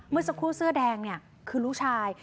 เมื่อสักครู่เสื้อแดงเนี่ยคือลูกชาย